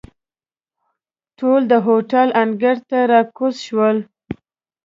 ټول د هوټل انګړ ته را کوز شول.